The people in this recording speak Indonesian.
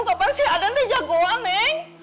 kapan sih aden terjagoa neng